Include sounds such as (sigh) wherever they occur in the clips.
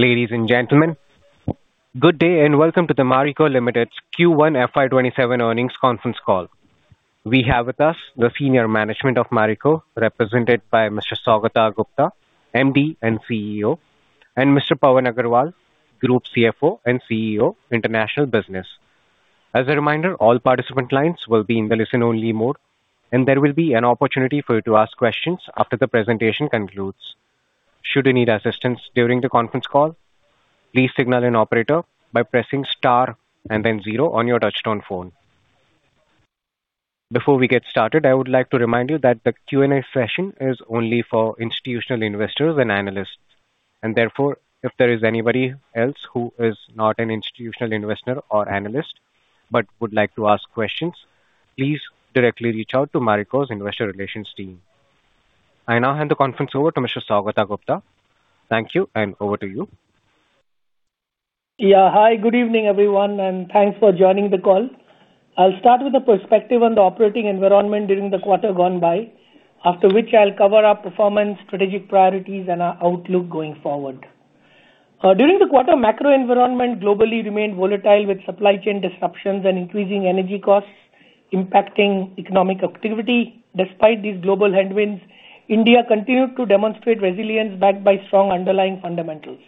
Ladies and gentlemen, good day and welcome to the Marico Limited Q1 FY 2027 earnings conference call. We have with us the senior management of Marico, represented by Mr. Saugata Gupta, MD and CEO, and Mr. Pawan Agrawal, Group CFO and CEO International Business. As a reminder, all participant lines will be in the listen-only mode, and there will be an opportunity for you to ask questions after the presentation concludes. Should you need assistance during the conference call, please signal an operator by pressing star and then zero on your touchtone phone. Before we get started, I would like to remind you that the Q&A session is only for institutional investors and analysts. If there is anybody else who is not an institutional investor or analyst but would like to ask questions, please directly reach out to Marico's investor relations team. I now hand the conference over to Mr. Saugata Gupta. Thank you, and over to you. Hi, good evening, everyone, and thanks for joining the call. I'll start with the perspective on the operating environment during the quarter gone by, after which I'll cover our performance, strategic priorities, and our outlook going forward. During the quarter, macro environment globally remained volatile with supply chain disruptions and increasing energy costs impacting economic activity. Despite these global headwinds, India continued to demonstrate resilience backed by strong underlying fundamentals.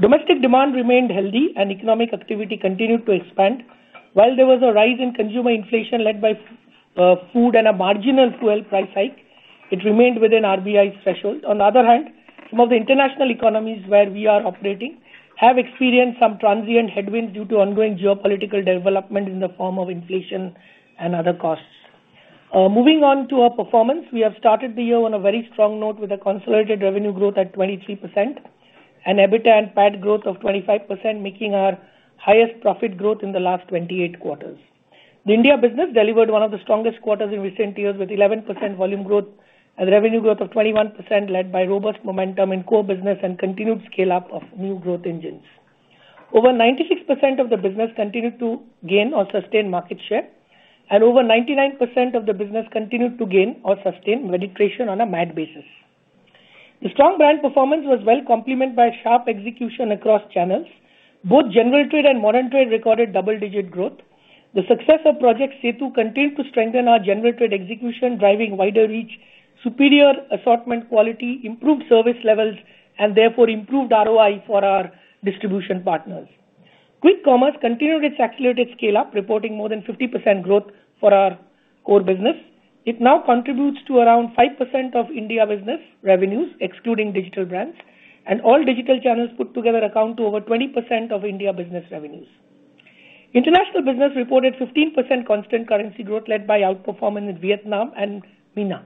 Domestic demand remained healthy and economic activity continued to expand. While there was a rise in consumer inflation led by food and a marginal fuel price hike, it remained within RBI threshold. On the other hand, some of the international economies where we are operating have experienced some transient headwinds due to ongoing geopolitical development in the form of inflation and other costs. Moving on to our performance. We have started the year on a very strong note with a consolidated revenue growth at 23% and EBITDA and PAT growth of 25%, making our highest profit growth in the last 28 quarters. The India business delivered one of the strongest quarters in recent years, with 11% volume growth and revenue growth of 21%, led by robust momentum in core business and continued scale-up of new growth engines. Over 96% of the business continued to gain or sustain market share, and over 99% of the business continued to gain or sustain penetration on a MAD basis. The strong brand performance was well complemented by sharp execution across channels. Both general trade and modern trade recorded double-digit growth. The success of Project SETU continued to strengthen our general trade execution, driving wider reach, superior assortment quality, improved service levels, and therefore improved ROI for our distribution partners. Quick commerce continued its accelerated scale-up, reporting more than 50% growth for our core business. It now contributes to around 5% of India business revenues, excluding digital brands, and all digital channels put together account to over 20% of India business revenues. International business reported 15% constant currency growth, led by outperformance in Vietnam and MENA.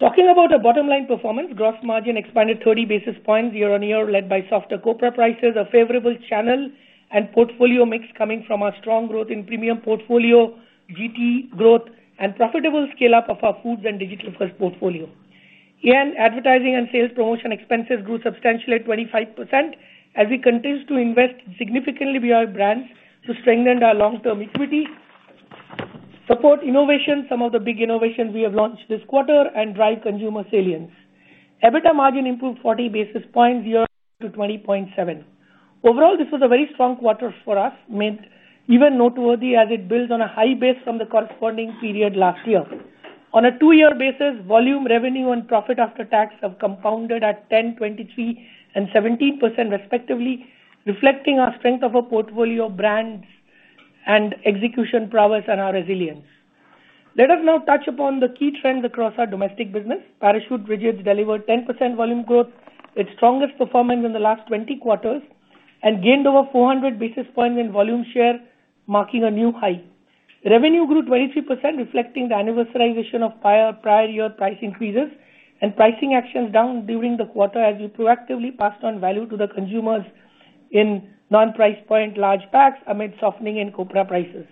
Talking about our bottom line performance, gross margin expanded 30 basis points year-on-year, led by softer copra prices, a favorable channel, and portfolio mix coming from our strong growth in premium portfolio, GT growth, and profitable scale-up of our foods and digital-first portfolio. Here, advertising and sales promotion expenses grew substantially at 25% as we continued to invest significantly in our brands to strengthen our long-term equity, support innovation, some of the big innovations we have launched this quarter, and drive consumer salience. EBITDA margin improved 40 basis points year-on-year to 20.7%. Overall, this was a very strong quarter for us, made even noteworthy as it builds on a high base from the corresponding period last year. On a two-year basis, volume revenue and profit after tax have compounded at 10%, 23%, and 17% respectively, reflecting our strength of our portfolio brands and execution prowess and our resilience. Let us now touch upon the key trends across our domestic business. Parachute delivered 10% volume growth, its strongest performance in the last 20 quarters, and gained over 400 basis points in volume share, marking a new high. Revenue grew 23%, reflecting the anniversarization of prior-year price increases and pricing actions done during the quarter as we proactively passed on value to the consumers in non-price point large packs amid softening in copra prices.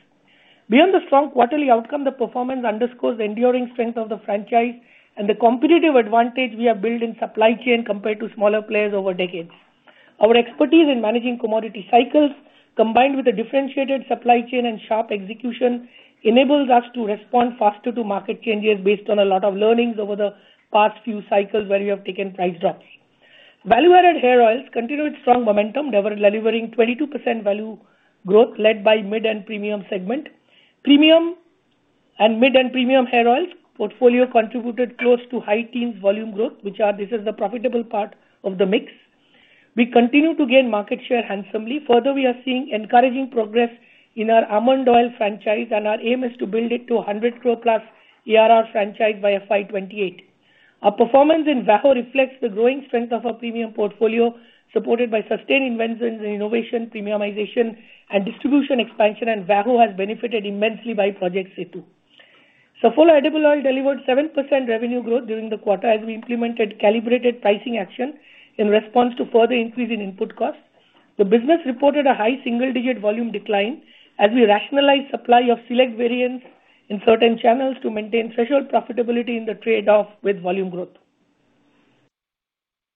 Beyond the strong quarterly outcome, the performance underscores the enduring strength of the franchise and the competitive advantage we have built in supply chain compared to smaller players over decades. Our expertise in managing commodity cycles, combined with a differentiated supply chain and sharp execution, enables us to respond faster to market changes based on a lot of learnings over the past few cycles where we have taken price drops. Value-added hair oils continued strong momentum, delivering 22% value growth led by mid and premium segment. Premium and mid-end premium hair oils portfolio contributed close to high teens volume growth, which is the profitable part of the mix. We continue to gain market share handsomely. Further, we are seeing encouraging progress in our almond oil franchise, and our aim is to build it to 100 crore+ ARR franchise by FY 2028. Our performance in VAHO reflects the growing strength of our premium portfolio, supported by sustained investments in innovation, premiumization, and distribution expansion, and VAHO has benefited immensely by Project SETU. Saffola edible oil delivered 7% revenue growth during the quarter as we implemented calibrated pricing action in response to further increase in input costs. The business reported a high single-digit volume decline as we rationalize supply of select variants in certain channels to maintain threshold profitability in the trade-off with volume growth.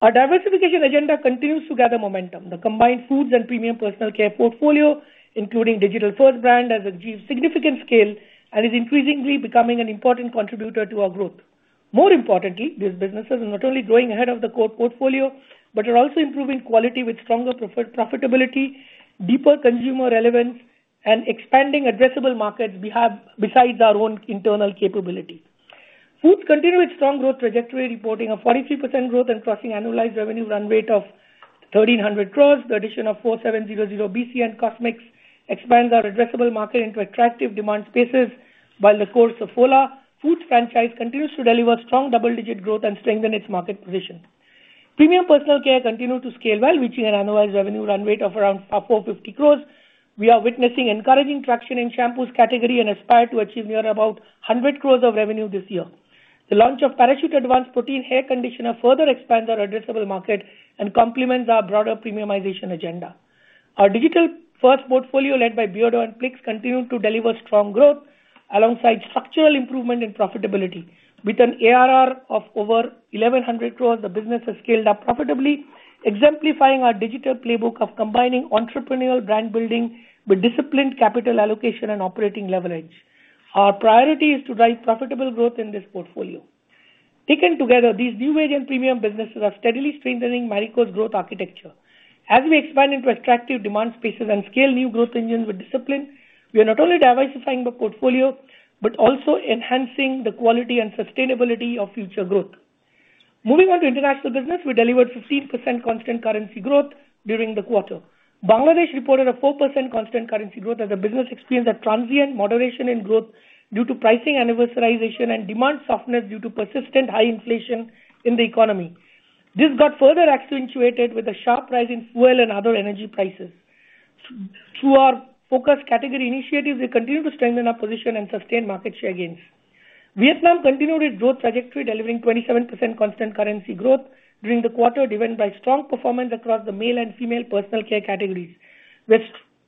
Our diversification agenda continues to gather momentum. The combined foods and premium personal care portfolio, including digital-first brand, has achieved significant scale and is increasingly becoming an important contributor to our growth. More importantly, these businesses are not only growing ahead of the core portfolio, but are also improving quality with stronger profitability, deeper consumer relevance, and expanding addressable markets besides our own internal capability. Foods continued its strong growth trajectory, reporting a 43% growth and crossing annualized revenue run rate of 1,300 crores. The addition of 4700BC and Cosmix expands our addressable market into attractive demand spaces, while the core Saffola Foods franchise continues to deliver strong double-digit growth and strengthen its market position. Premium personal care continued to scale well, reaching an annualized revenue run rate of around 450 crores. We are witnessing encouraging traction in shampoos category and aspire to achieve near about 100 crores of revenue this year. The launch of Parachute Advansed Protein Conditioner further expands our addressable market and complements our broader premiumization agenda. Our digital-first portfolio, led by Beardo and Plix, continued to deliver strong growth alongside structural improvement in profitability. With an ARR of over 1,100 crores, the business has scaled up profitably, exemplifying our digital playbook of combining entrepreneurial brand building with disciplined capital allocation and operating leverage. Our priority is to drive profitable growth in this portfolio. Taken together, these new age and premium businesses are steadily strengthening Marico's growth architecture. As we expand into attractive demand spaces and scale new growth engines with discipline, we are not only diversifying the portfolio, but also enhancing the quality and sustainability of future growth. Moving on to international business, we delivered 15% constant currency growth during the quarter. Bangladesh reported a 4% constant currency growth as the business experienced a transient moderation in growth due to pricing anniversarization and demand softness due to persistent high inflation in the economy. This got further accentuated with the sharp rise in fuel and other energy prices. Through our focused category initiatives, we continue to strengthen our position and sustain market share gains. Vietnam continued its growth trajectory, delivering 27% constant currency growth during the quarter, driven by strong performance across the male and female personal care categories. We've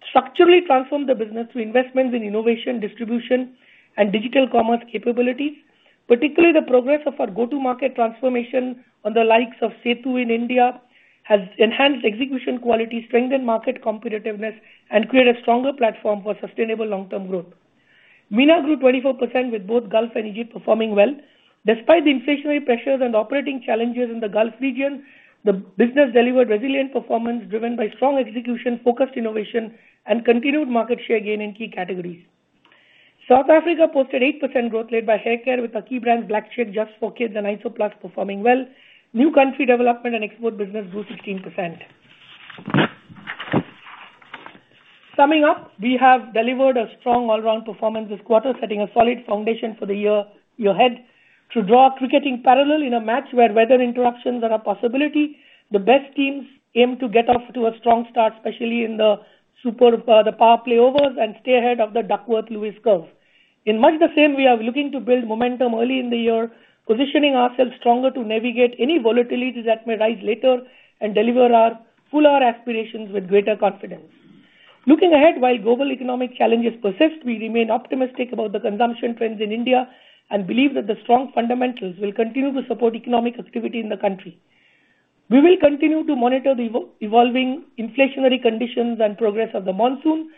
structurally transformed the business through investments in innovation, distribution, and digital commerce capabilities. Particularly, the progress of our go-to-market transformation on the likes of Setu in India has enhanced execution quality, strengthened market competitiveness, and created a stronger platform for sustainable long-term growth. MENA grew 24% with both Gulf and Egypt performing well. Despite the inflationary pressures and operating challenges in the Gulf region, the business delivered resilient performance driven by strong execution, focused innovation, and continued market share gain in key categories. South Africa posted 8% growth led by hair care with our key brands Black Seed, Just for Kids, and Isoplus performing well. New country development and export business grew 15%. Summing up, we have delivered a strong all-around performance this quarter, setting a solid foundation for the year ahead. To draw a cricketing parallel in a match where weather interruptions are a possibility, the best teams aim to get off to a strong start, especially in the power play overs, and stay ahead of the Duckworth-Lewis curve. In much the same, we are looking to build momentum early in the year, positioning ourselves stronger to navigate any volatility that may rise later and deliver our fuller aspirations with greater confidence. Looking ahead, while global economic challenges persist, we remain optimistic about the consumption trends in India and believe that the strong fundamentals will continue to support economic activity in the country. We will continue to monitor the evolving inflationary conditions and progress of the monsoon.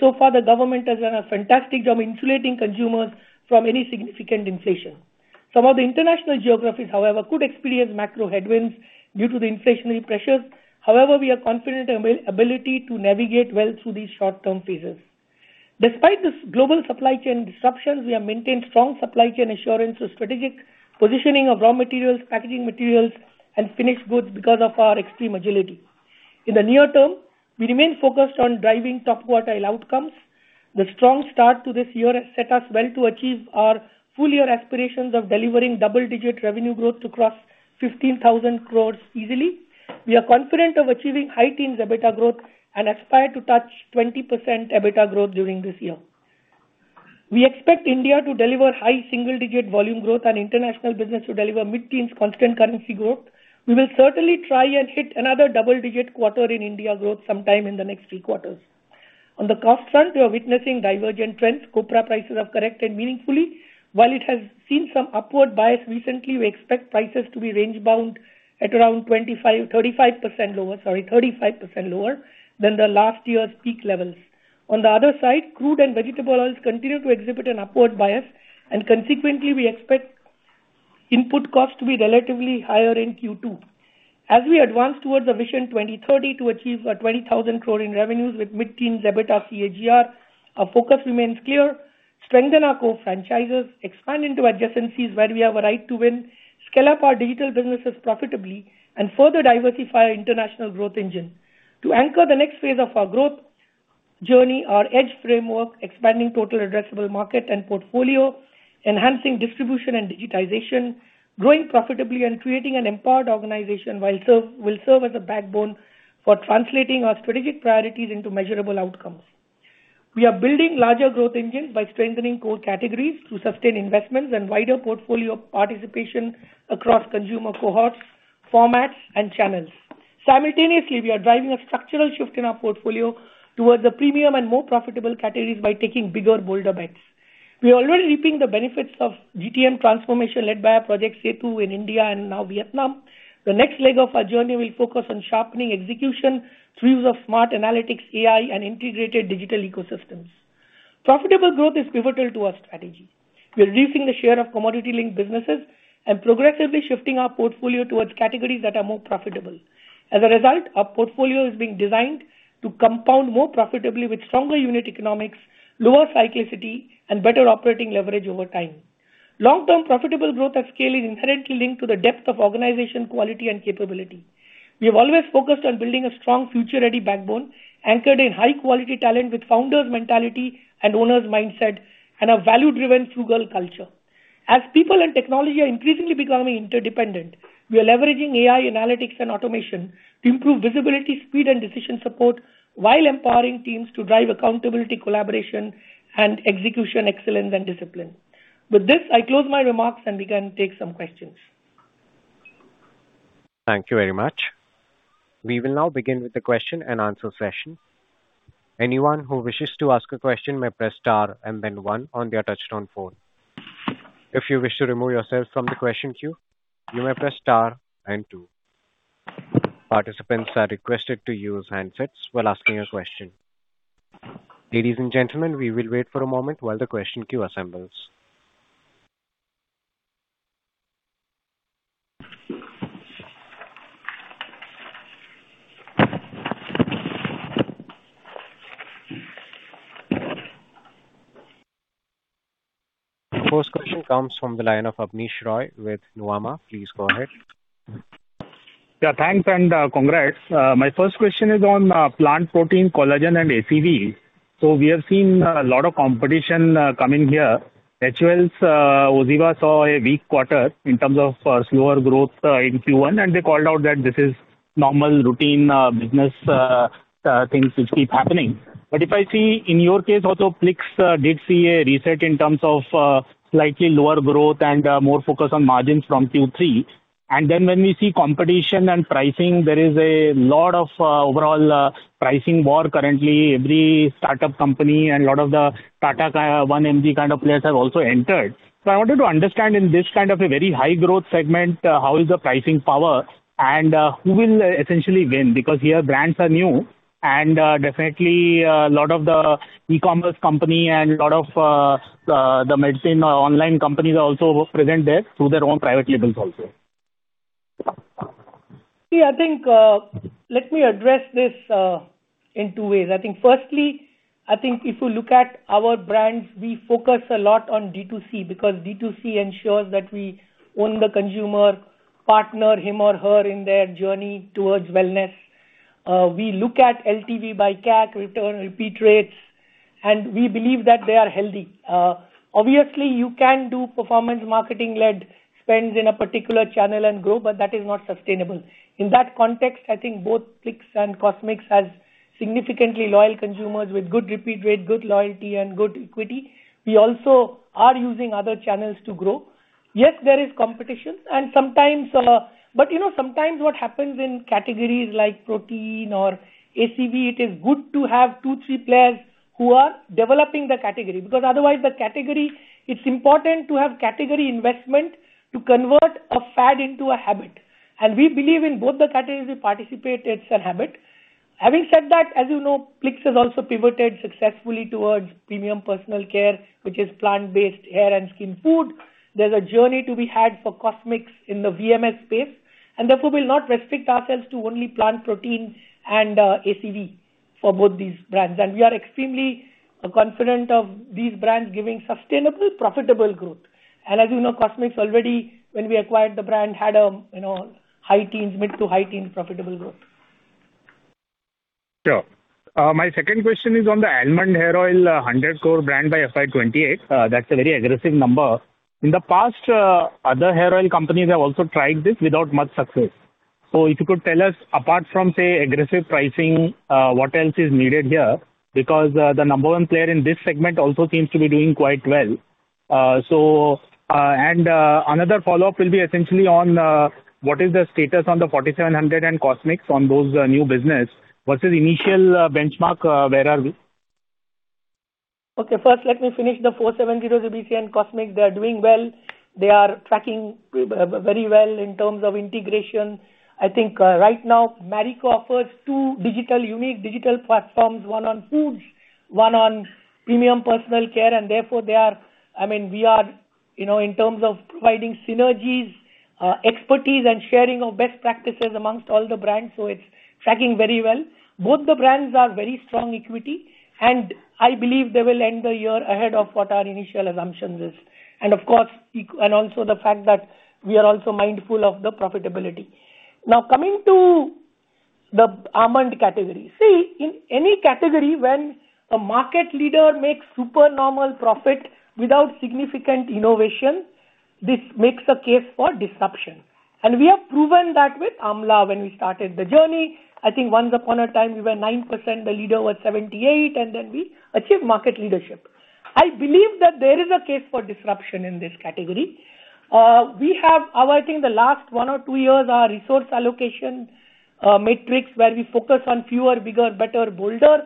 So far the government has done a fantastic job insulating consumers from any significant inflation. Some of the international geographies, however, could experience macro headwinds due to the inflationary pressures. However, we are confident in our ability to navigate well through these short-term phases. Despite this global supply chain disruptions, we have maintained strong supply chain assurance through strategic positioning of raw materials, packaging materials, and finished goods because of our extreme agility. In the near term, we remain focused on driving top quartile outcomes. The strong start to this year has set us well to achieve our full year aspirations of delivering double-digit revenue growth to cross 15,000 crore easily. We are confident of achieving high teens EBITDA growth and aspire to touch 20% EBITDA growth during this year. We expect India to deliver high single-digit volume growth and international business to deliver mid-teens constant currency growth. We will certainly try and hit another double-digit quarter in India growth sometime in the next three quarters. On the cost front, we are witnessing divergent trends. Copra prices have corrected meaningfully. While it has seen some upward bias recently, we expect prices to be range-bound at around 35% lower than the last year's peak levels. On the other side, crude and vegetable oils continue to exhibit an upward bias, and consequently, we expect input costs to be relatively higher in Q2. As we advance towards Vision 2030 to achieve our 20,000 crore in revenues with mid-teens EBITDA CAGR, our focus remains clear. Strengthen our core franchises, expand into adjacencies where we have a right to win, scale up our digital businesses profitably, and further diversify our international growth engine. To anchor the next phase of our growth journey, our EDGE framework, expanding total addressable market and portfolio, enhancing distribution and digitization, growing profitably and creating an empowered organization will serve as a backbone for translating our strategic priorities into measurable outcomes. We are building larger growth engines by strengthening core categories through sustained investments and wider portfolio participation across consumer cohorts, formats, and channels. Simultaneously, we are driving a structural shift in our portfolio towards the premium and more profitable categories by taking bigger, bolder bets. We are already reaping the benefits of GTM transformation led by our Project SETU in India and now Vietnam. The next leg of our journey will focus on sharpening execution through use of smart analytics, AI, and integrated digital ecosystems. Profitable growth is pivotal to our strategy. We are reducing the share of commodity-linked businesses and progressively shifting our portfolio towards categories that are more profitable. As a result, our portfolio is being designed to compound more profitably with stronger unit economics, lower cyclicity, and better operating leverage over time. Long-term profitable growth at scale is inherently linked to the depth of organization quality and capability. We have always focused on building a strong future-ready backbone anchored in high-quality talent with founders' mentality and owners' mindset, and a value-driven frugal culture. As people and technology are increasingly becoming interdependent, we are leveraging AI analytics and automation to improve visibility, speed, and decision support while empowering teams to drive accountability, collaboration, and execution excellence, and discipline. With this, I close my remarks, and we can take some questions. Thank you very much. We will now begin with the question and answer session. Anyone who wishes to ask a question may press star and then one on their touch-tone phone. If you wish to remove yourself from the question queue, you may press star and two. Participants are requested to use handsets while asking a question. Ladies and gentlemen, we will wait for a moment while the question queue assembles. First question comes from the line of Abneesh Roy with Nuvama. Please go ahead. Thanks, and congrats. My first question is on plant protein, collagen, and ACV. We have seen a lot of competition coming here. HUL's OZiva saw a weak quarter in terms of slower growth in Q1, and they called out that this is normal routine business things which keep happening. If I see in your case also, Plix did see a reset in terms of slightly lower growth and more focus on margins from Q3. When we see competition and pricing, there is a lot of overall pricing war currently. Every startup company and a lot of the Tata 1mg kind of players have also entered. I wanted to understand in this kind of a very high-growth segment, how is the pricing power and who will essentially win? Here brands are new and definitely a lot of the e-commerce company and a lot of the medicine online companies are also present there through their own private labels also. Let me address this in two ways. Firstly, if you look at our brands, we focus a lot on D2C because D2C ensures that we own the consumer, partner him or her in their journey towards wellness. We look at LTV by CAC return repeat rates, and we believe that they are healthy. Obviously, you can do performance marketing-led spends in a particular channel and grow, but that is not sustainable. In that context, I think both Plix and Cosmix has significantly loyal consumers with good repeat rate, good loyalty, and good equity. We also are using other channels to grow. Yes, there is competition, but sometimes what happens in categories like protein or ACV, it is good to have two, three players who are developing the category, because otherwise it's important to have category investment to convert a fad into a habit. We believe in both the categories we participate, it's a habit. Having said that, as you know, Plix has also pivoted successfully towards premium personal care, which is plant-based hair and skin food. Therefore will not restrict ourselves to only plant protein and ACV for both these brands. We are extremely confident of these brands giving sustainable, profitable growth. As you know, Cosmix already, when we acquired the brand, had mid-to-high teens profitable growth. Sure. My second question is on the Almond hair oil 100 crore brand by FY 2028. That is a very aggressive number. In the past, other hair oil companies have also tried this without much success. If you could tell us, apart from, say, aggressive pricing, what else is needed here? Because the number one player in this segment also seems to be doing quite well. Another follow-up will be essentially on what is the status on the 4700BC and Cosmix on those new business versus initial benchmark, where are we? First, let me finish the 4700BC and Cosmix. They are doing well. They are tracking very well in terms of integration. I think right now, Marico offers two unique digital platforms, one on foods, one on premium personal care. Therefore, we are in terms of providing synergies, expertise, and sharing of best practices amongst all the brands. It is tracking very well. Both the brands are very strong equity, and I believe they will end the year ahead of what our initial assumptions is. Also the fact that we are also mindful of the profitability. Coming to the Almond category. In any category, when a market leader makes super normal profit without significant innovation, this makes a case for disruption. We have proven that with Amla when we started the journey. Once upon a time, we were 9%, the leader was 78%, then we achieved market leadership. I believe that there is a case for disruption in this category. The last one or two years, our resource allocation matrix where we focus on fewer, bigger, better, bolder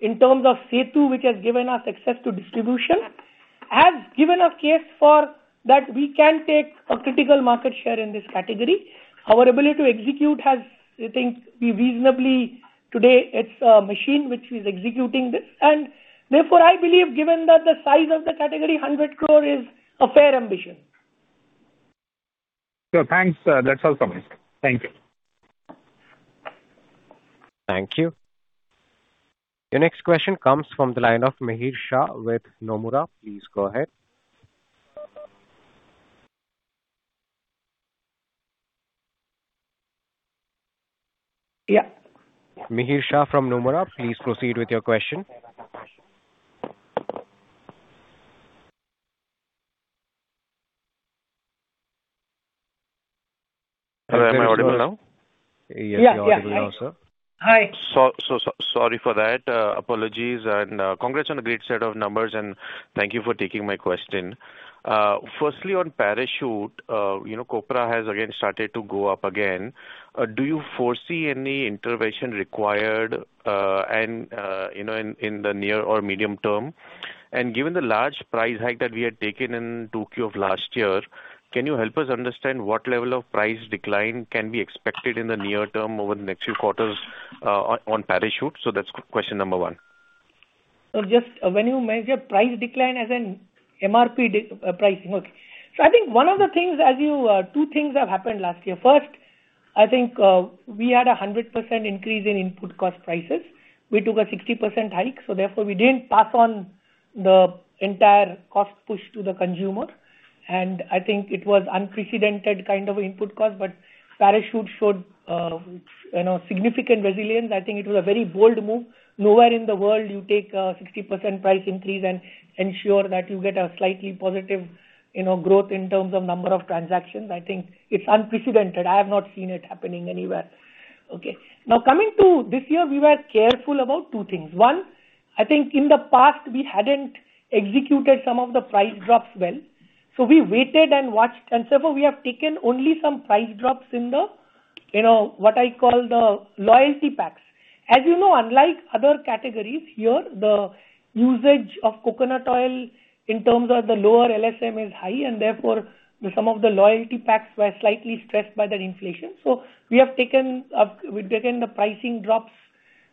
in terms of Setu, which has given us access to distribution. Has given a case for that we can take a critical market share in this category. Our ability to execute has, I think, today it is a machine which is executing this. Therefore, I believe, given that the size of the category, 100 crore is a fair ambition. Sure. Thanks. That's all from me, sir. Thank you. Thank you. Your next question comes from the line of Mihir Shah with Nomura. Please go ahead. Yeah. Mihir Shah from Nomura, please proceed with your question. Hello, am I audible now? Yes, you're audible now, sir. Hi. Sorry for that. Apologies, and congrats on a great set of numbers, and thank you for taking my question. Firstly, on Parachute, copra has again started to go up again. Do you foresee any intervention required in the near or medium term? Given the large price hike that we had taken in 2Q of last year, can you help us understand what level of price decline can be expected in the near term over the next few quarters on Parachute? That's question number one. Sir, when you measure price decline as in MRP pricing. I think two things have happened last year. First, I think we had 100% increase in input cost prices. We took a 60% hike, so therefore we didn't pass on the entire cost push to the consumer. I think it was unprecedented kind of input cost, but Parachute showed significant resilience. I think it was a very bold move. Nowhere in the world you take a 60% price increase and ensure that you get a slightly positive growth in terms of number of transactions. I think it's unprecedented. I have not seen it happening anywhere. Now, coming to this year, we were careful about two things. One, I think in the past, we hadn't executed some of the price drops well. We waited and watched, we have taken only some price drops in the, what I call the loyalty packs. As you know, unlike other categories, here, the usage of coconut oil in terms of the lower LSM is high, some of the loyalty packs were slightly stressed by that inflation. We've taken the pricing drops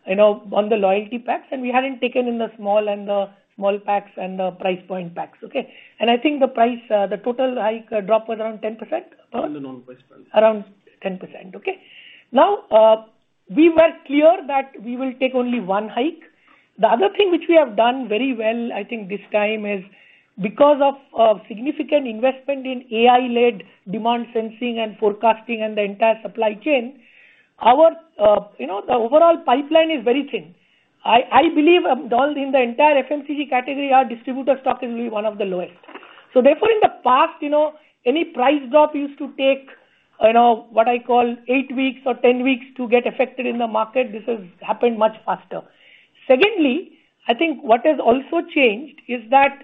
on the loyalty packs, we haven't taken in the small packs and the price-point packs. Okay. I think the total hike drop was around 10%. Pardon? Around the normal price range. Around 10%. Okay. We were clear that we will take only one hike. The other thing which we have done very well, I think, this time is because of significant investment in AI-led demand sensing and forecasting and the entire supply chain, our overall pipeline is very thin. I believe in the entire FMCG category, our distributor stock is one of the lowest. In the past, any price drop used to take, what I call eight weeks or 10 weeks to get effected in the market. This has happened much faster. Secondly, I think what has also changed is that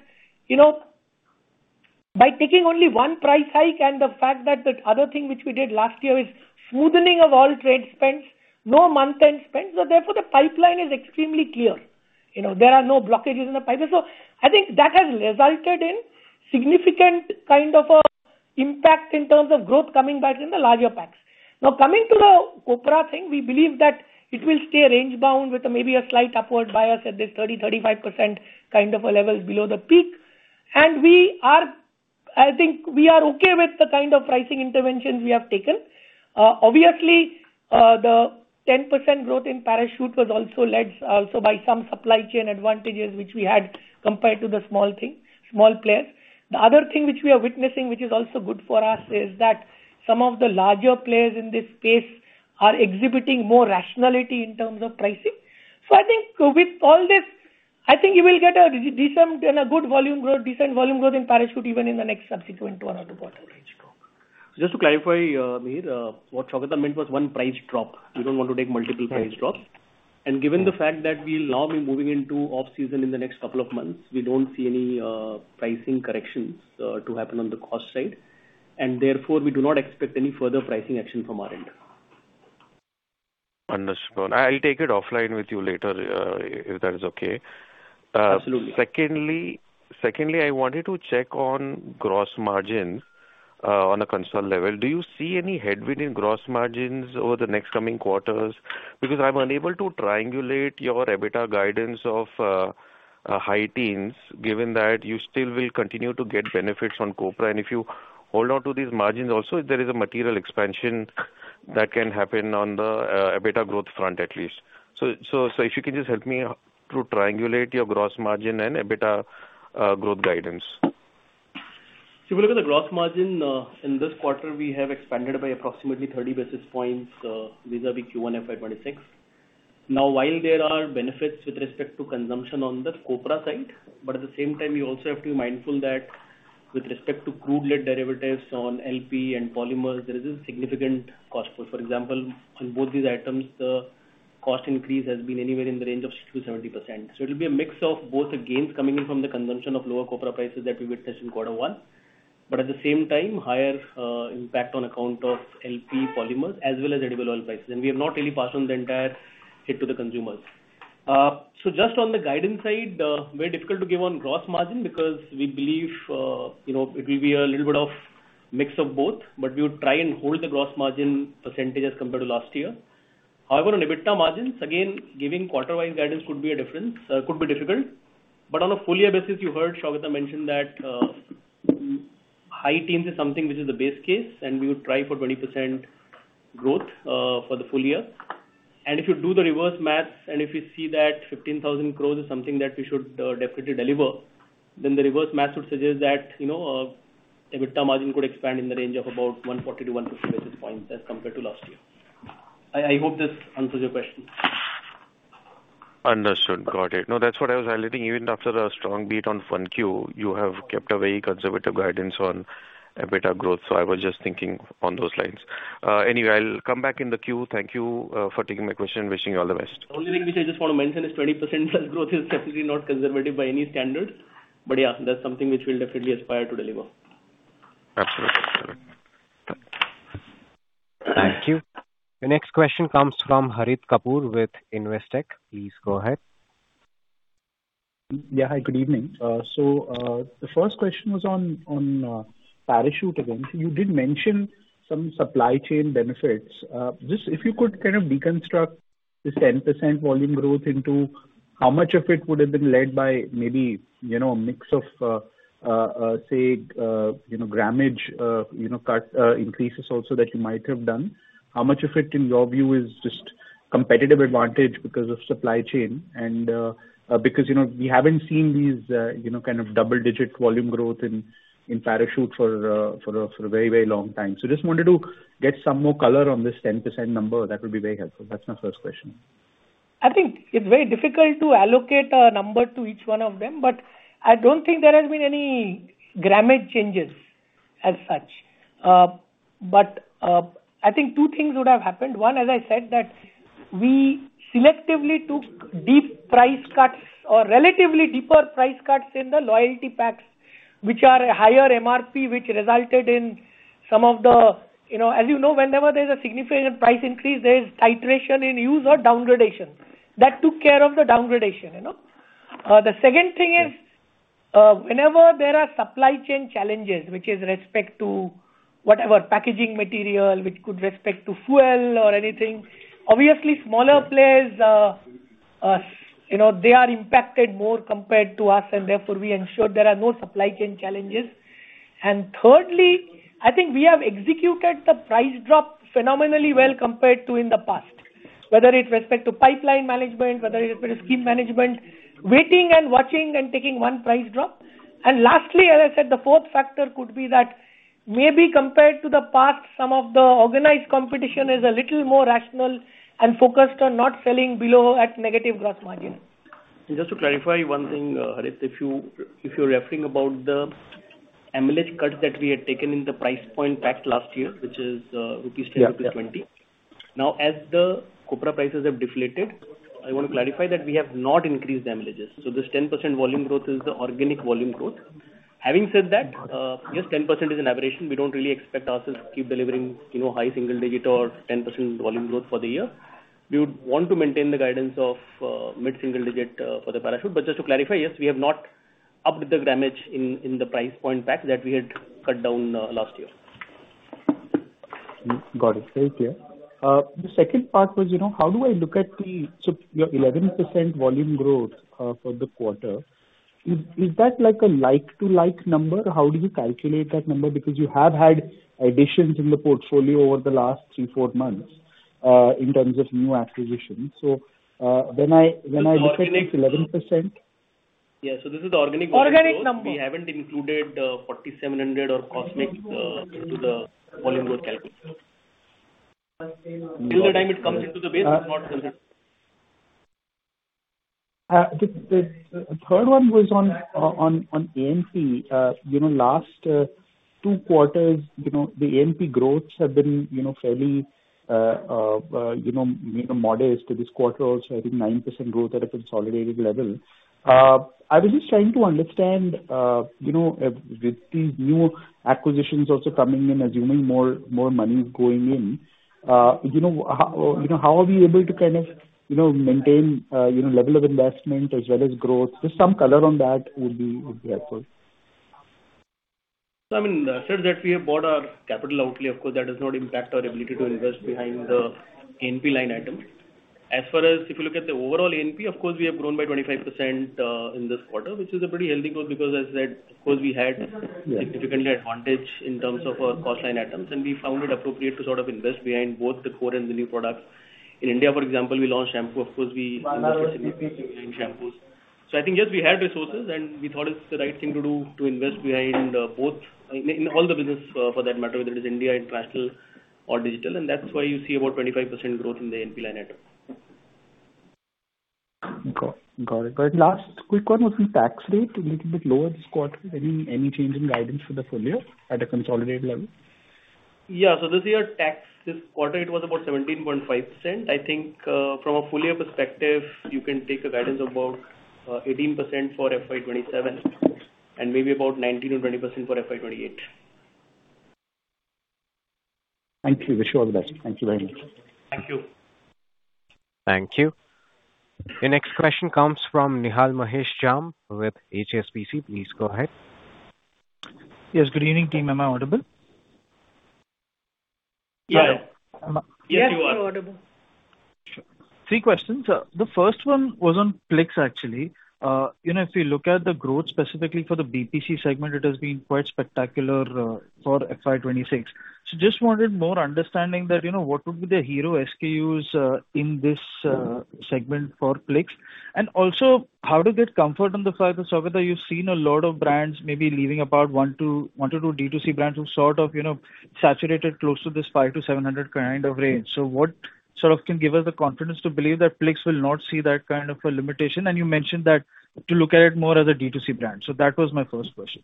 by taking only one price hike and the fact that the other thing which we did last year is smoothening of all trade spends, no month-end spends. The pipeline is extremely clear. There are no blockages in the pipeline. I think that has resulted in significant kind of impact in terms of growth coming back in the larger packs. Coming to the copra thing, we believe that it will stay range bound with maybe a slight upward bias at this 30%-35% kind of a level below the peak. I think we are okay with the kind of pricing interventions we have taken. Obviously, the 10% growth in Parachute was also led by some supply chain advantages which we had compared to the small players. The other thing which we are witnessing, which is also good for us, is that some of the larger players in this space are exhibiting more rationality in terms of pricing. I think with all this, I think you will get a decent volume growth in Parachute even in the next subsequent one or two quarters. Just to clarify, Mihir, what Saugata meant was one price drop. We don't want to take multiple price drops. Given the fact that we'll now be moving into off-season in the next couple of months, we don't see any pricing corrections to happen on the cost side, and therefore we do not expect any further pricing action from our end. Understood. I'll take it offline with you later, if that is okay. Absolutely. Secondly, I wanted to check on gross margins on a concern level. Do you see any headwind in gross margins over the next coming quarters? I'm unable to triangulate your EBITDA guidance of high teens, given that you still will continue to get benefits on copra. If you hold on to these margins also, there is a material expansion that can happen on the EBITDA growth front, at least. If you could just help me to triangulate your gross margin and EBITDA growth guidance. If you look at the gross margin, in this quarter, we have expanded by approximately 30 basis points vis-à-vis Q1 FY 2026. While there are benefits with respect to consumption on the copra side, at the same time, we also have to be mindful that with respect to crude lead derivatives on LDPE and polymers, there is a significant cost push. For example, on both these items, the cost increase has been anywhere in the range of 60%-70%. It will be a mix of both the gains coming in from the consumption of lower copra prices that we witnessed in quarter one. At the same time, higher impact on account of LDPE polymers as well as edible oil prices. We have not really passed on the entire hit to the consumers. Just on the guidance side, very difficult to give on gross margin because we believe it will be a little bit of mix of both, but we would try and hold the gross margin percentage as compared to last year. On EBITDA margins, again, giving quarter wise guidance could be difficult. On a full year basis, you heard Saugata mention that high teens is something which is the base case, and we would try for 20% growth for the full year. If you do the reverse maths and if you see that 15,000 crore is something that we should definitely deliver, then the reverse maths would suggest that EBITDA margin could expand in the range of about 140-150 basis points as compared to last year. I hope this answers your question. Understood. Got it. That's what I was highlighting. Even after a strong beat on 1Q, you have kept a very conservative guidance on EBITDA growth. I was just thinking on those lines. Anyway, I'll come back in the queue. Thank you for taking my question. Wishing you all the best. The only thing which I just want to mention is 20%+ growth is definitely not conservative by any standards. That's something which we'll definitely aspire to deliver. Absolutely. Thank you. The next question comes from Harit Kapoor with Investec. Please go ahead. Yeah. Hi, good evening. The first question was on Parachute again. You did mention some supply chain benefits. If you could kind of deconstruct this 10% volume growth into how much of it would have been led by maybe a mix of, say, grammage increases also that you might have done. How much of it, in your view, is just competitive advantage because of supply chain? Because we haven't seen these kind of double-digit volume growth in Parachute for a very long time. Just wanted to get some more color on this 10% number. That would be very helpful. That's my first question. I think it's very difficult to allocate a number to each one of them. I don't think there has been any grammage changes as such. I think two things would have happened. One, as I said, that we selectively took deep price cuts or relatively deeper price cuts in the loyalty packs, which are a higher MRP, which resulted in. As you know, whenever there's a significant price increase, there is titration in use or downgradation. That took care of the downgradation. The second thing is, whenever there are supply chain challenges, which is respect to whatever packaging material, which could respect to fuel or anything, obviously smaller players, they are impacted more compared to us, and therefore, we ensure there are no supply chain challenges. Thirdly, I think we have executed the price drop phenomenally well compared to in the past, whether it's respect to pipeline management, whether it's respect to scheme management, waiting and watching and taking one price drop. Lastly, as I said, the fourth factor could be that maybe compared to the past, some of the organized competition is a little more rational and focused on not selling below at negative gross margins. Just to clarify one thing, Harit, if you're referring about the ml-age cuts that we had taken in the price point packs last year, which is 10-20 rupees. Now, as the copra prices have deflated, I want to clarify that we have not increased the ml-ages. This 10% volume growth is the organic volume growth. Having said that, yes, 10% is an aberration. We don't really expect ourselves to keep delivering high single digit or 10% volume growth for the year. We would want to maintain the guidance of mid-single digit for the Parachute. Just to clarify, yes, we have not upped the grammage in the price point pack that we had cut down last year. Got it. Very clear. The second part was, how do I look at. Your 11% volume growth for the quarter, is that like a like-to-like number? How do you calculate that number? Because you have had additions in the portfolio over the last three, four months in terms of new acquisitions. When I look at this 11%. Yeah, this is the organic volume growth. Organic number. We haven't included 4700BC or Cosmix into the volume growth calculation. Till the time it comes into the base, it's not considered. The third one was on A&P. Last two quarters, the A&P growths have been fairly modest. This quarter also, I think 9% growth at a consolidated level. I was just trying to understand with these new acquisitions also coming in, assuming more money is going in, how are we able to kind of maintain level of investment as well as growth? Just some color on that would be helpful. I mean, I said that we have bought our capital outlay. Of course, that does not impact our ability to invest behind the A&P line item. As far as if you look at the overall A&P, of course, we have grown by 25% in this quarter, which is a pretty healthy growth because as I said, of course, we had significant advantage in terms of our cost line items, and we found it appropriate to sort of invest behind both the core and the new products. In India, for example, we launched shampoo. Of course, we invested significantly in shampoos. I think, yes, we had resources, and we thought it's the right thing to do to invest behind both, in all the business for that matter, whether it is India, international or digital, and that's why you see about 25% growth in the A&P line item. Got it. Last quick one was the tax rate, a little bit lower this quarter. Any change in guidance for the full year at a consolidated level? Yeah. This year, tax this quarter, it was about 17.5%. I think from a full year perspective, you can take a guidance about 18% for FY 2027 and maybe about 19%-20% for FY 2028. Thank you. Wish you all the best. Thank you very much. Thank you. Thank you. The next question comes from Nihal Mahesh Jham with HSBC. Please go ahead. Good evening team. Am I audible? Yeah. Yes, you are. Yes, you're audible. Sure. Three questions. The first one was on Plix, actually. If you look at the growth specifically for the BPC segment, it has been quite spectacular for FY 2026. Just wanted more understanding that what would be the hero SKUs in this segment for Plix, and also how to get comfort on the fact that, Saugata, you've seen a lot of brands maybe leaving about one to two D2C brands who saturated close to this 500 crore-700 crore kind of range. What can give us the confidence to believe that Plix will not see that kind of a limitation? You mentioned that to look at it more as a D2C brand. That was my first question.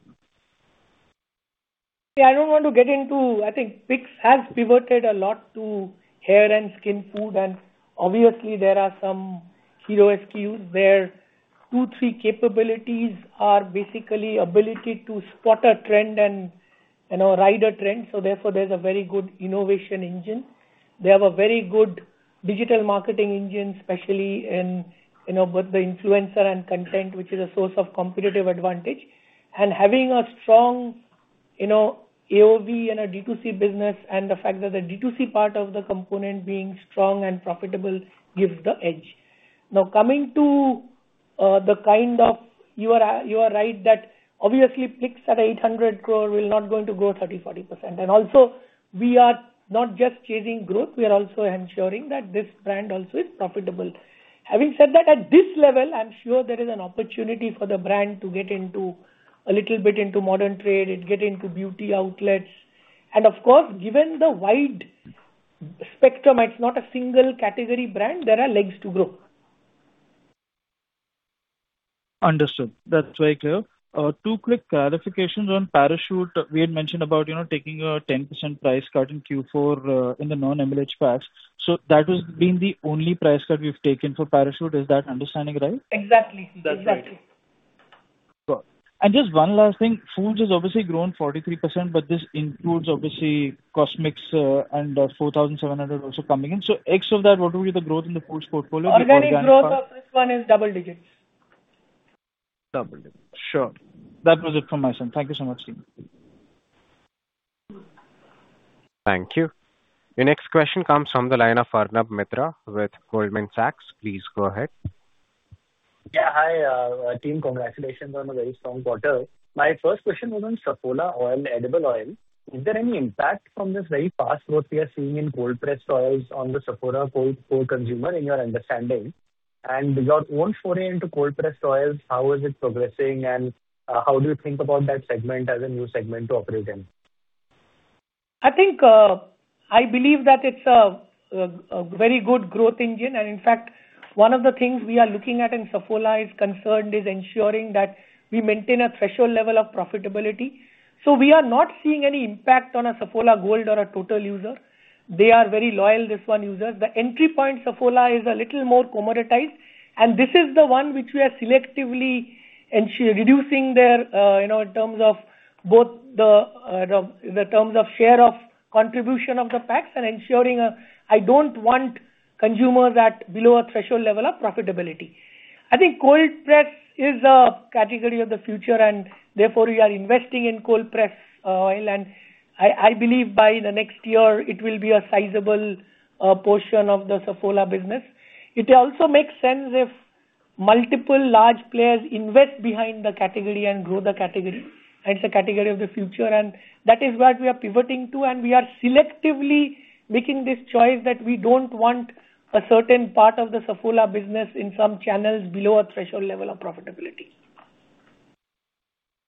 Yeah, I don't want to get into I think Plix has pivoted a lot to hair and skin food, and obviously there are some hero SKUs where two, three capabilities are basically ability to spot a trend and ride a trend. Therefore, there's a very good innovation engine. They have a very good digital marketing engine, especially in both the influencer and content, which is a source of competitive advantage. Having a strong AOV in a D2C business and the fact that the D2C part of the component being strong and profitable gives the edge. Now, You are right that obviously Plix at 800 crore will not going to grow 30%, 40%. Also we are not just chasing growth, we are also ensuring that this brand also is profitable. Having said that, at this level, I'm sure there is an opportunity for the brand to get a little bit into modern trade and get into beauty outlets. Of course, given the wide spectrum, it's not a single category brand, there are legs to grow. Understood. That's very clear. Two quick clarifications on Parachute. We had mentioned about taking a 10% price cut in Q4 in the non-ml-age packs. That has been the only price cut we've taken for Parachute. Is that understanding right? Exactly. That's right. Cool. Just one last thing. Foods has obviously grown 43%, but this includes obviously Cosmix and 4700BC also coming in. Ex of that, what will be the growth in the foods portfolio? Organic growth of this one is double digits. Double digits. Sure. That was it from my side. Thank you so much, team. Thank you. The next question comes from the line of Arnab Mitra with Goldman Sachs. Please go ahead. Yeah. Hi, team. Congratulations on a very strong quarter. My first question was on Saffola oil, edible oil. Is there any impact from this very fast growth we are seeing in cold-pressed oils on the Saffola Gold core consumer in your understanding? And your own foray into cold-pressed oils, how is it progressing, and how do you think about that segment as a new segment to operate in? I believe that it is a very good growth engine. In fact, one of the things we are looking at in Saffola is concerned, is ensuring that we maintain a threshold level of profitability. We are not seeing any impact on a Saffola Gold or a total user. They are very loyal, this one users. The entry point Saffola is a little more commoditized. This is the one which we are selectively reducing their, in terms of share of contribution of the packs and ensuring I do not want consumers at below a threshold level of profitability. I think cold-pressed is a category of the future. Therefore, we are investing in cold-pressed oil, and I believe by the next year it will be a sizable portion of the Saffola business. It also makes sense if multiple large players invest behind the category and grow the category. It is a category of the future. That is what we are pivoting to. We are selectively making this choice that we do not want a certain part of the Saffola business in some channels below a threshold level of profitability.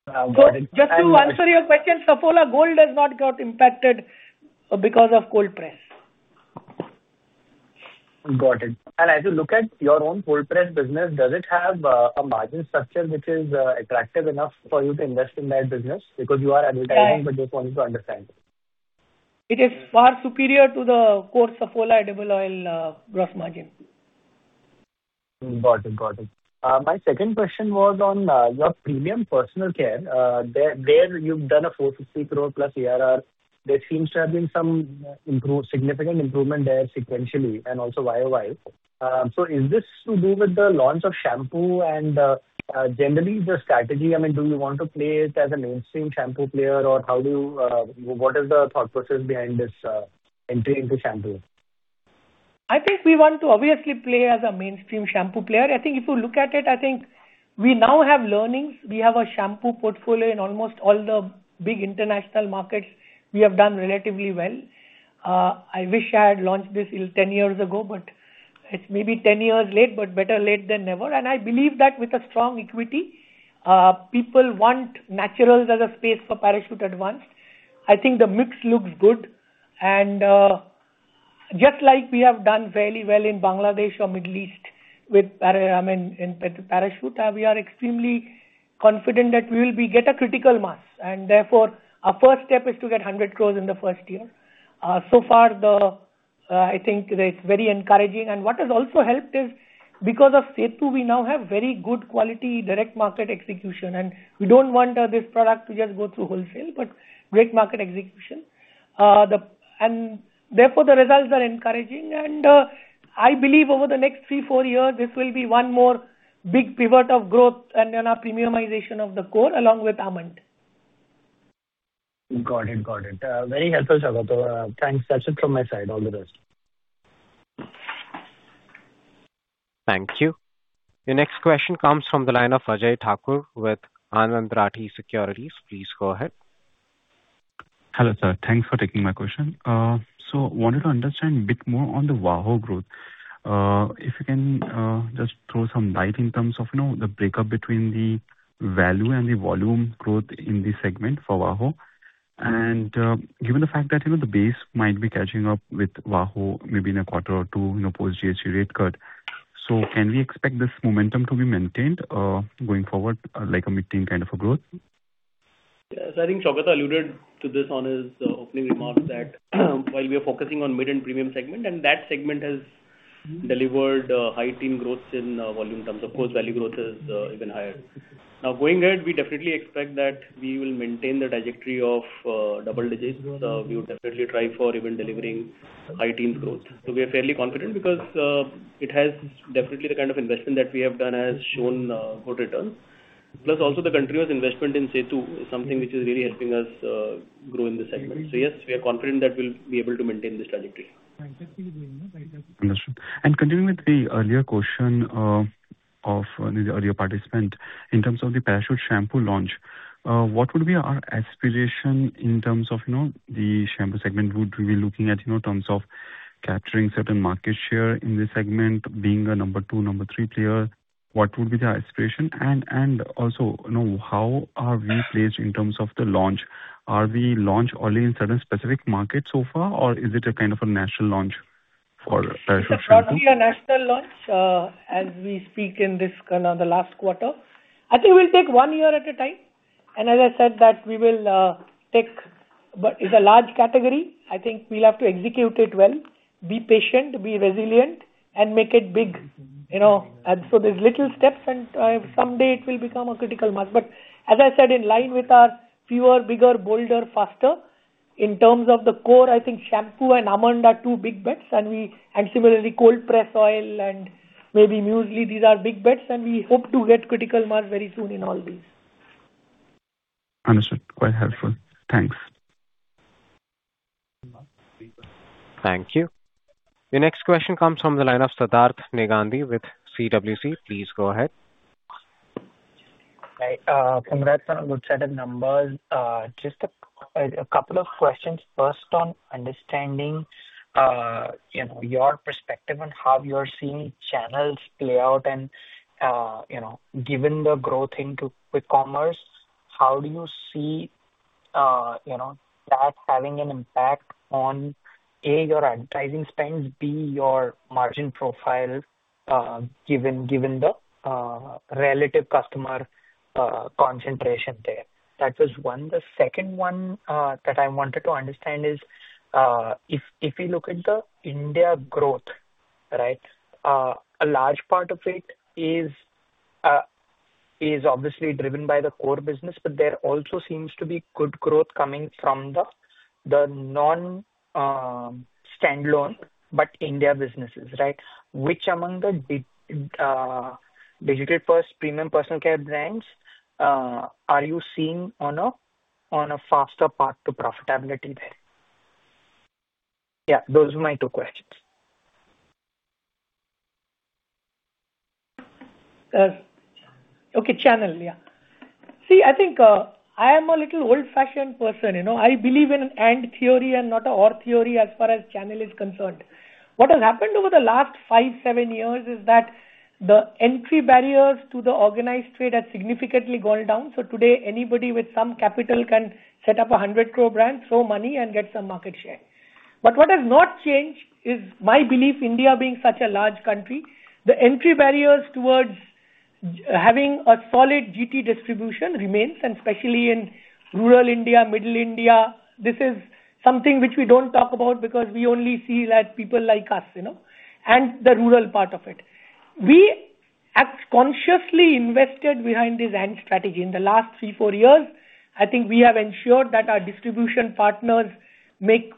Got it. Just to answer your question, Saffola Gold has not got impacted because of cold-pressed. Got it. As you look at your own cold-pressed business, does it have a margin structure which is attractive enough for you to invest in that business? Because you are advertising, but just wanting to understand. It is far superior to the core Saffola edible oil gross margin. Got it. My second question was on your premium personal care. There you've done a 450 crore plus ERR. There seems to have been some significant improvement there sequentially and also YOY. Is this to do with the launch of shampoo and generally the strategy? I mean, do you want to play it as a mainstream shampoo player or what is the thought process behind this entry into shampoo? I think we want to obviously play as a mainstream shampoo player. I think if you look at it, I think we now have learnings. We have a shampoo portfolio in almost all the big international markets. We have done relatively well. I wish I had launched this 10 years ago, but it's maybe 10 years late, but better late than never. I believe that with a strong equity, people want naturals as a space for Parachute Advansed. I think the mix looks good. Just like we have done fairly well in Bangladesh or Middle East with Parachute, we are extremely confident that we will get a critical mass, and therefore our first step is to get 100 crore in the first year. So far, I think it's very encouraging. What has also helped is because of Setu, we now have very good quality direct market execution. We don't want this product to just go through wholesale, but great market execution. Therefore, the results are encouraging, and I believe over the next three, four years, this will be one more big pivot of growth and then our premiumization of the core, along with Amla. Got it. Very helpful, Saugata. Thanks. That's it from my side. All the best. Thank you. The next question comes from the line of Ajay Thakur with Anand Rathi Securities. Please go ahead. Hello, sir. Thanks for taking my question. Wanted to understand a bit more on the VAHO growth. If you can just throw some light in terms of the breakup between the value and the volume growth in this segment for VAHO. Given the fact that the base might be catching up with VAHO maybe in a quarter or two, (inaudible) rate cut. Can we expect this momentum to be maintained going forward, like a mid-teen kind of a growth? Yes, I think Saugata alluded to this on his opening remarks that while we are focusing on mid and premium segment, and that segment has delivered high-teen growth in volume terms. Of course, value growth is even higher. Going ahead, we definitely expect that we will maintain the trajectory of double digits. We would definitely try for even delivering high-teen growth. We are fairly confident because it has definitely the kind of investment that we have done has shown good returns. The continuous investment in Setu is something which is really helping us grow in this segment. Yes, we are confident that we will be able to maintain this trajectory. Understood. Continuing with the earlier question of the earlier participant, in terms of the Parachute shampoo launch, what would be our aspiration in terms of the shampoo segment? Would we be looking at terms of capturing certain market share in this segment, being a number two, number three player? What would be the aspiration? Also, how are we placed in terms of the launch? Are we launch only in certain specific markets so far, or is it a kind of a national launch for Parachute shampoo? It is broadly a national launch as we speak in this, the last quarter. I think we will take one year at a time. As I said that we will take, it is a large category. I think we will have to execute it well, be patient, be resilient and make it big. There is little steps, and someday it will become a critical mass. As I said, in line with our fewer, bigger, bolder, faster in terms of the core, I think shampoo and Amla are two big bets, similarly, cold press oil and maybe muesli, these are big bets, and we hope to get critical mass very soon in all these. Understood. Quite helpful. Thanks. Thank you. The next question comes from the line of Siddharth Negandhi with CWC. Please go ahead. Hi. Congrats on a good set of numbers. Just a couple of questions. First, on understanding your perspective on how you're seeing channels play out and, given the growth into quick commerce, how do you see that having an impact on, A, your advertising spends, B, your margin profile, given the relative customer concentration there? That was one. The second one that I wanted to understand is, if we look at the India growth, a large part of it is obviously driven by the core business, but there also seems to be good growth coming from the non-standalone but India businesses, right? Which among the digital-first premium personal care brands are you seeing on a faster path to profitability there? Yeah, those are my two questions. Okay. Channel, yeah. See, I think I am a little old-fashioned person. I believe in and theory and not or theory as far as channel is concerned. What has happened over the last five, seven years is that the entry barriers to the organized trade has significantly gone down. Today, anybody with some capital can set up 100 crore brands, throw money, and get some market share. What has not changed is my belief, India being such a large country, the entry barriers towards having a solid GT distribution remains, and especially in rural India, middle India. This is something which we don't talk about because we only see that people like us and the rural part of it. We have consciously invested behind this and strategy. In the last three, four years, I think we have ensured that our distribution partners make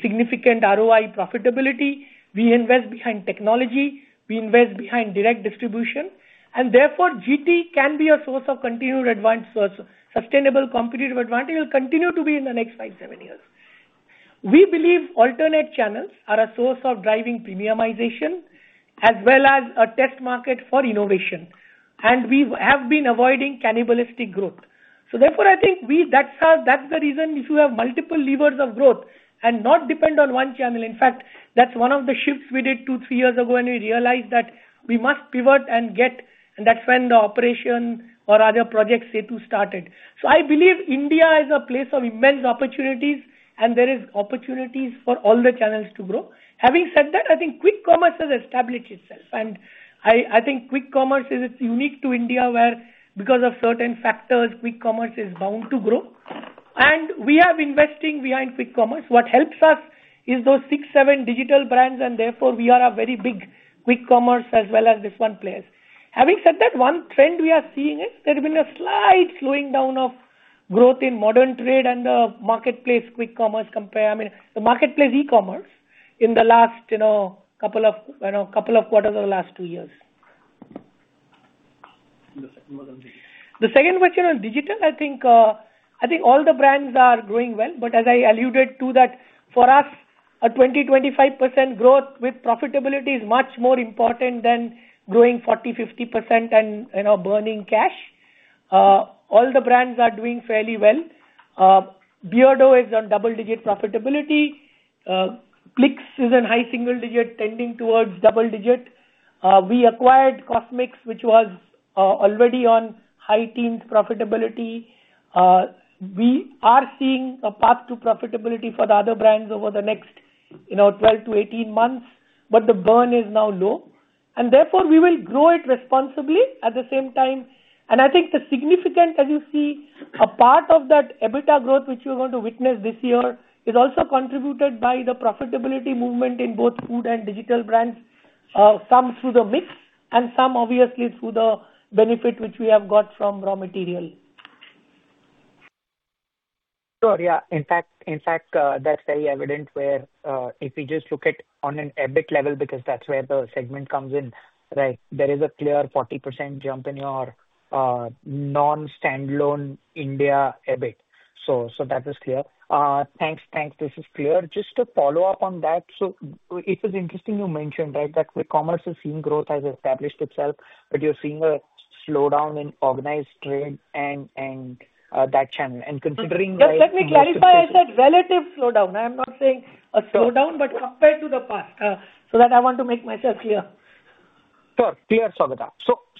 significant ROI profitability. We invest behind technology, we invest behind direct distribution, and therefore GT can be a source of continued advantage, sustainable competitive advantage will continue to be in the next five, seven years. We believe alternate channels are a source of driving premiumization as well as a test market for innovation. We have been avoiding cannibalistic growth. Therefore, I think that's the reason if you have multiple levers of growth and not depend on one channel. In fact, that's one of the shifts we did two, three years ago, and we realized that we must pivot and get, and that's when the operation or other Project SETU started. I believe India is a place of immense opportunities, and there is opportunities for all the channels to grow. Having said that, I think quick commerce has established itself, and I think quick commerce is unique to India where, because of certain factors, quick commerce is bound to grow. We are investing behind quick commerce. What helps us is those six, seven digital brands. Therefore, we are a very big quick commerce as well as this one place. Having said that, one trend we are seeing is there's been a slight slowing down of growth in modern trade and the marketplace e-commerce in the last couple of quarters or last two years. The second was on digital. The second question on digital, I think all the brands are growing well, but as I alluded to that, for us, a 20%-25% growth with profitability is much more important than growing 40%-50% and burning cash. All the brands are doing fairly well. Beardo is on double-digit profitability. Plix is in high single digit, tending towards double digit. We acquired Cosmix, which was already on high teens profitability. We are seeing a path to profitability for the other brands over the next 12-18 months. The burn is now low. Therefore, we will grow it responsibly at the same time. I think the significant, as you see, a part of that EBITDA growth which you're going to witness this year is also contributed by the profitability movement in both food and digital brands. Some through the mix and some obviously through the benefit which we have got from raw material. Sure. Yeah. In fact, that's very evident where, if you just look at on an EBIT level, because that's where the segment comes in, right? There is a clear 40% jump in your non-standalone India EBIT. That is clear. Thanks. This is clear. It is interesting you mentioned that quick commerce is seeing growth, has established itself, but you're seeing a slowdown in organized trade and that channel, and considering the- Just let me clarify. I said relative slowdown. I am not saying a slowdown, compared to the past. That I want to make myself clear. Sure. Clear, Saugata.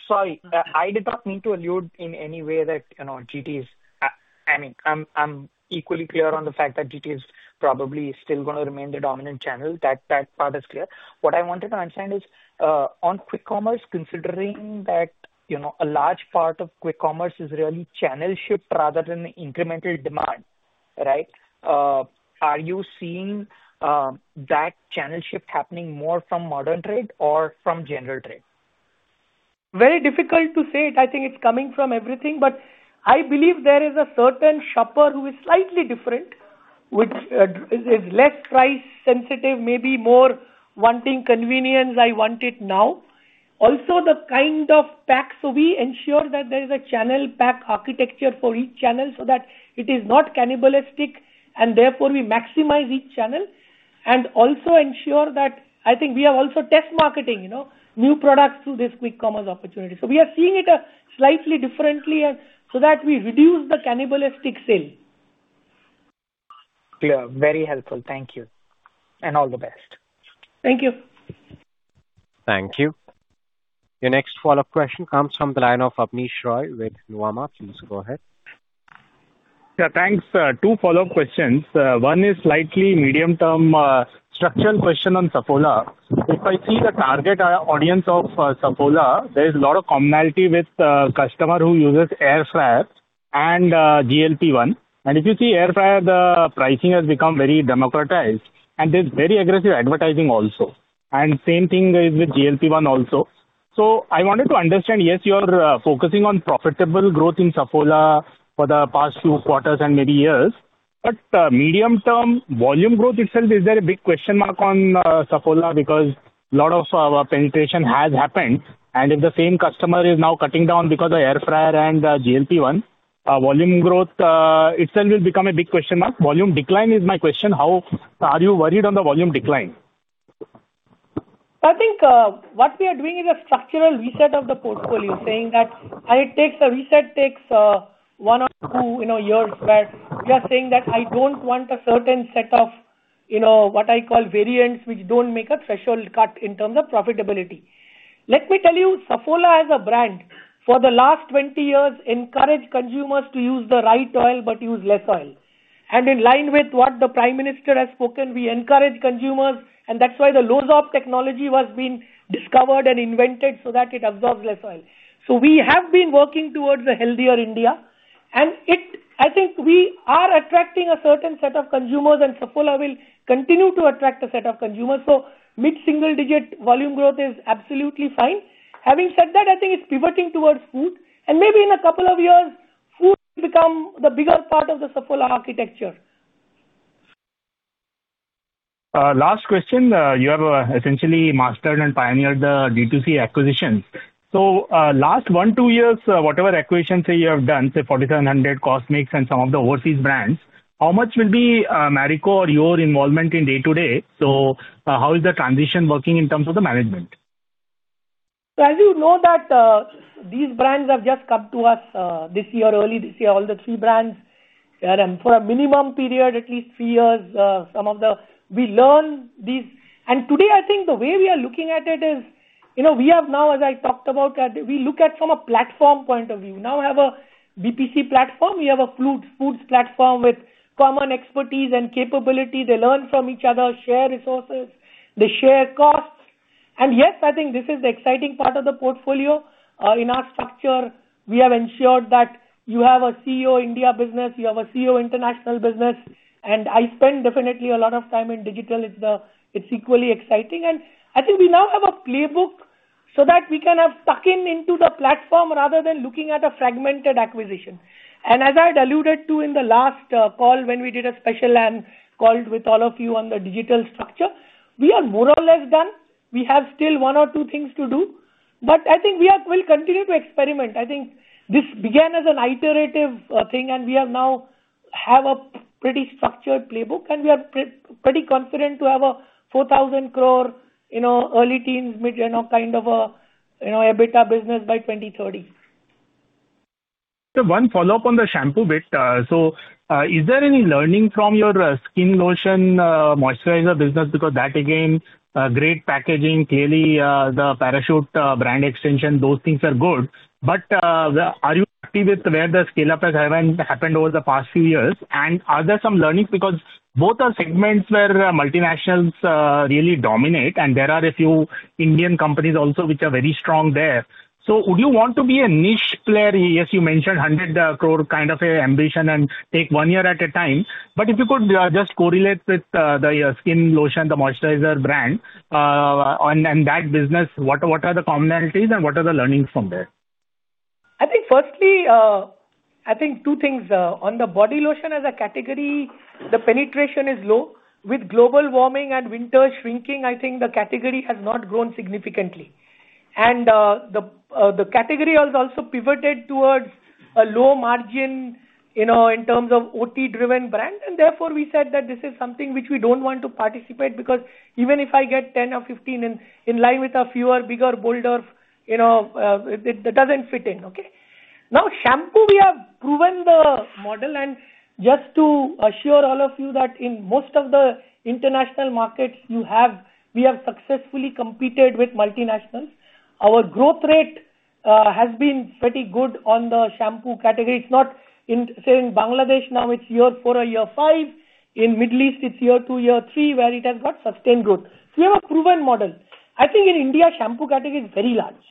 Sorry. I did not mean to allude in any way that GT is. I am equally clear on the fact that GT is probably still gonna remain the dominant channel. That part is clear. What I wanted to understand is, on quick commerce, considering that a large part of quick commerce is really channel shift rather than incremental demand, right? Are you seeing that channel shift happening more from modern trade or from general trade? Very difficult to say it. I think it's coming from everything, but I believe there is a certain shopper who is slightly different, which is less price sensitive, maybe more wanting convenience, "I want it now." Also, the kind of pack. We ensure that there is a channel pack architecture for each channel so that it is not cannibalistic, and therefore we maximize each channel and also ensure that, I think we are also test marketing new products through this quick commerce opportunity. We are seeing it slightly differently, and so that we reduce the cannibalistic sale. Clear. Very helpful. Thank you. All the best. Thank you. Thank you. Your next follow-up question comes from the line of Abneesh Roy with Nuvama. Please go ahead. Thanks. Two follow-up questions. One is slightly medium-term structural question on Saffola. If I see the target audience of Saffola, there is a lot of commonality with customer who uses air fryer and GLP-1. If you see air fryer, the pricing has become very democratized, and there's very aggressive advertising also. Same thing is with GLP-1 also. I wanted to understand, yes, you are focusing on profitable growth in Saffola for the past few quarters and maybe years, but medium-term volume growth itself, is there a big question mark on Saffola? Because a lot of penetration has happened, and if the same customer is now cutting down because of air fryer and GLP-1, volume growth itself will become a big question mark. Volume decline is my question. How are you worried on the volume decline? I think what we are doing is a structural reset of the portfolio, saying that a reset takes one or two years, where we are saying that I don't want a certain set of what I call variants, which don't make a threshold cut in terms of profitability. Let me tell you, Saffola as a brand, for the last 20 years encouraged consumers to use the right oil but use less oil. In line with what the prime minister has spoken, we encourage consumers, and that's why the LOSORB technology was being discovered and invented so that it absorbs less oil. We have been working towards a healthier India, and I think we are attracting a certain set of consumers, and Saffola will continue to attract a set of consumers. Mid-single digit volume growth is absolutely fine. Having said that, I think it's pivoting towards food, and maybe in a couple of years, food will become the bigger part of the Saffola architecture. Last question. You have essentially mastered and pioneered the D2C acquisitions. Last one, two years, whatever acquisitions say you have done, say 4700BC, Cosmix and some of the overseas brands, how much will be Marico or your involvement in day-to-day? How is the transition working in terms of the management? As you know that these brands have just come to us early this year, all the three brands. For a minimum period, at least three years, we learn these. Today, I think the way we are looking at it is, we have now, as I talked about, we look at from a platform point of view. We have a BPC platform, we have a Foods platform with common expertise and capability. They learn from each other, share resources, they share costs. Yes, I think this is the exciting part of the portfolio. In our structure, we have ensured that you have a CEO India business, you have a CEO international business, and I spend definitely a lot of time in digital. It's equally exciting. I think we now have a playbook so that we can have tucking into the platform rather than looking at a fragmented acquisition. As I had alluded to in the last call when we did a special call with all of you on the digital structure, we are more or less done. We have still one or two things to do. I think we will continue to experiment. I think this began as an iterative thing, and we now have a pretty structured playbook, and we are pretty confident to have an 4,000 crore early teens mid kind of a EBITDA business by 2030. Sir, one follow-up on the shampoo bit. Is there any learning from your skin lotion moisturizer business? That, again, great packaging, clearly the Parachute brand extension, those things are good. Are you happy with where the scale-up has happened over the past few years? Are there some learnings? Both are segments where multinationals really dominate, and there are a few Indian companies also which are very strong there. Would you want to be a niche player? Yes, you mentioned 100 crore kind of ambition and take one year at a time. If you could just correlate with the skin lotion, the moisturizer brand, on that business, what are the commonalities and what are the learnings from there? I think firstly, two things. On the body lotion as a category, the penetration is low. With global warming and winter shrinking, I think the category has not grown significantly. The category has also pivoted towards a low margin, in terms of MT-driven brand. Therefore, we said that this is something which we don't want to participate, even if I get 10 or 15 in line with a fewer bigger, bolder, that doesn't fit in. Okay? Shampoo, we have proven the model, just to assure all of you that in most of the international markets, we have successfully competed with multinationals. Our growth rate has been pretty good on the shampoo category. Say in Bangladesh now it's year four or year five. In Middle East it's year two, year three, where it has got sustained growth. We have a proven model. I think in India, shampoo category is very large.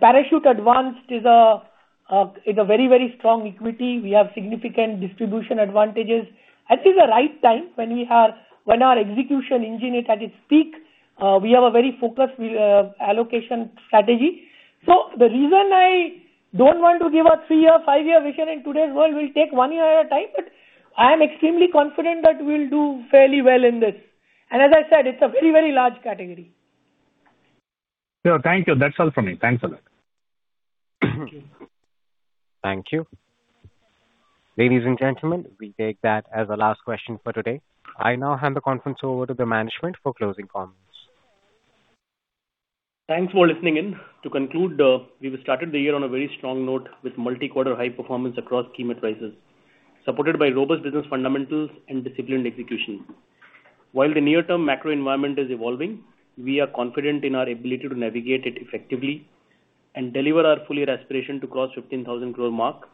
Parachute Advansed is a very, very strong equity. We have significant distribution advantages. I think the right time when our execution engine is at its peak, we have a very focused allocation strategy. The reason I don't want to give a three-year, five-year vision in today's world, we'll take one year at a time, I am extremely confident that we'll do fairly well in this. As I said, it's a very, very large category. Sure. Thank you. That's all from me. Thanks a lot. Thank you. Thank you. Ladies and gentlemen, we take that as our last question for today. I now hand the conference over to the management for closing comments. Thanks for listening in. To conclude, we've started the year on a very strong note with multi-quarter high performance across key metrics, supported by robust business fundamentals and disciplined execution. While the near-term macro environment is evolving, we are confident in our ability to navigate it effectively and deliver our full-year aspiration to cross 15,000 crore mark,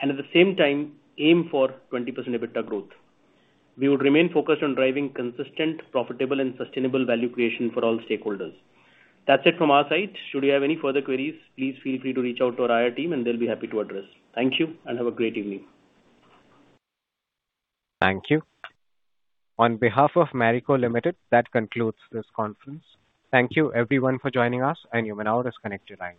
and at the same time, aim for 20% EBITDA growth. We will remain focused on driving consistent, profitable, and sustainable value creation for all stakeholders. That's it from our side. Should you have any further queries, please feel free to reach out to our IR team and they'll be happy to address. Thank you, and have a great evening. Thank you. On behalf of Marico Limited, that concludes this conference. Thank you everyone for joining us, and you may now disconnect your lines.